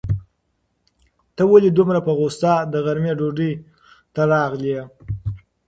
ته ولې دومره په غوسه د غرمې ډوډۍ ته راغلی وې؟